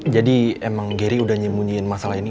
jadi emang gary udah nyembunyiin masalah ini